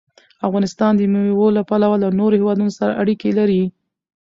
افغانستان د مېوو له پلوه له نورو هېوادونو سره اړیکې لري.